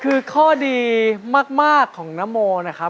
คือข้อดีมากของนโมนะครับ